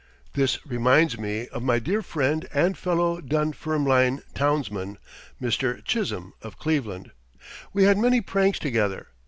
This reminds me of my dear friend and fellow Dunfermline townsman, Mr. Chisholm, of Cleveland. We had many pranks together.